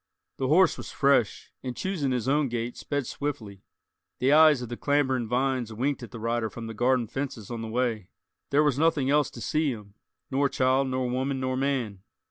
The horse was fresh, and choosing his own gait, sped swiftly. The eyes of the clambering vines winked at the rider from the garden fences on the way; there was nothing else to see him, nor child nor woman nor man.